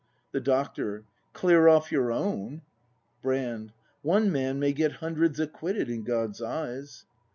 The Doctor. Clear off your own ! Brand. One man may get Hundreds acquitted, in God's eyes.